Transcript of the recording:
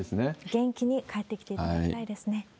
元気に帰ってきていただきたいですね。